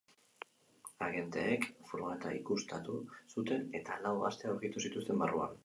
Agenteek furgoneta ikuskatu zuten eta lau gazte aurkitu zituzten barruan.